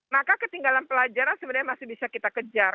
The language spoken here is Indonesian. maka ketinggalan pelajaran sebenarnya masih bisa kita kejar